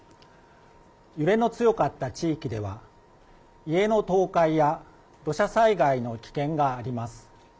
揺れの強かった地域では家の倒壊や土砂災害の危険があります。